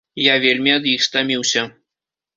Я вельмі ад іх стаміўся.